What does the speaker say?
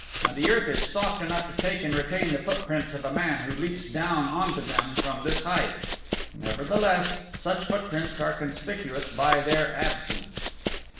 And the earth is soft enough to take and retain the footprints of a man who leaps down on to them from this height!... Nevertheless, such footprints are conspicuous by their absence!"